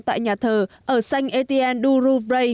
tại nhà thờ ở san etienne du rouvray